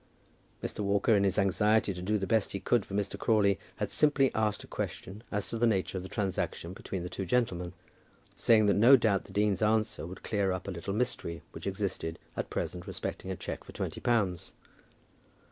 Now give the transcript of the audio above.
Mr. Walker, in his anxiety to do the best he could for Mr. Crawley, had simply asked a question as to the nature of the transaction between the two gentlemen, saying that no doubt the dean's answer would clear up a little mystery which existed at present respecting a cheque for twenty pounds.